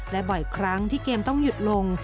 และบ่อยครั้งที่เกมต้องหยุดลง